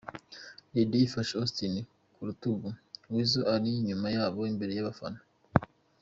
Radio afashe Austin ku rutugu, Weasel ari inyuma yabo, imbere y’abafana.